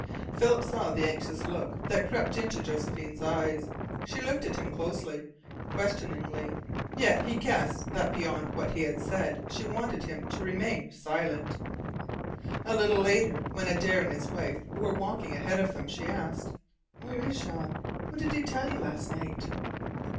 Philip saw the anxious look that crept into Josephine's eyes. She looked at him closely, questioningly, yet he guessed that beyond what he had said she wanted him to remain silent. A little later, when Adare and his wife were walking ahead of them, she asked: "Where is Jean? What did he tell you last night?"